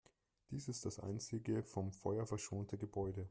Dies ist das einzige vom Feuer verschonte Gebäude.